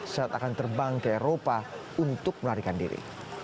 saat akan terbang ke eropa untuk melarikan diri